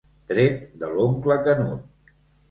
Tret de l'oncle Canut.